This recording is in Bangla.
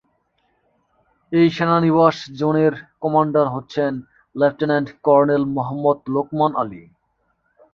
এই সেনানিবাস জোনের কমান্ডার হচ্ছেন লেফটেন্যান্ট কর্ণেল মোহাম্মদ লোকমান আলী।